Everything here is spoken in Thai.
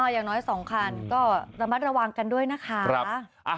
อย่างน้อย๒คันก็ระมัดระวังกันด้วยนะคะ